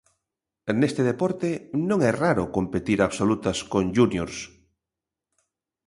Neste deporte non é raro competir absolutas con júniors.